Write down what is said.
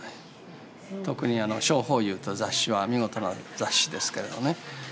特に「小朋友」という雑誌は見事な雑誌ですけれどね。